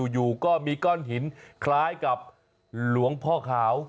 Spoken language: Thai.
อยู่ก็มีก้อนหินคล้ายกับหลวงพ่อขาว